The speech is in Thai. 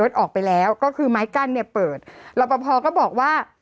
เดียวก็บอกว่า